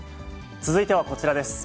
続いてはこちらです。